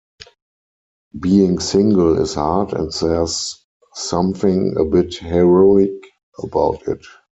Being single is hard and there's something a bit heroic about it.